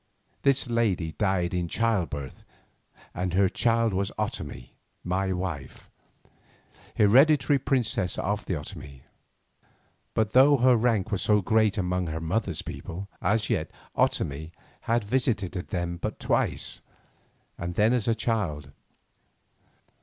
This lady died in childbirth, and her child was Otomie my wife, hereditary princess of the Otomie. But though her rank was so great among her mother's people, as yet Otomie had visited them but twice, and then as a child.